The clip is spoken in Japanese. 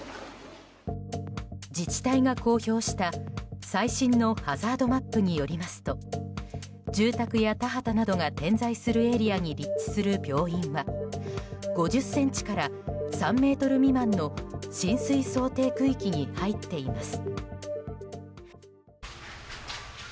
自治体が公表した最新のハザードマップによりますと住宅や田畑などが点在するエリアに立地する病院は５０ｃｍから３ｍ未満の浸水想定区域に入っています。